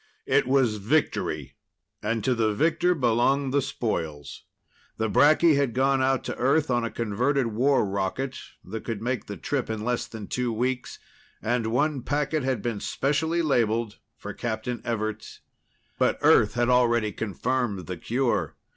It was victory, and to the victor belonged the spoils. The bracky had gone out to Earth on a converted war rocket that could make the trip in less than two weeks, and one packet had been specially labeled for Captain Everts. But Earth had already confirmed the cure.